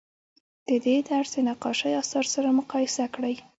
د دې درس د نقاشۍ اثار سره مقایسه کړئ.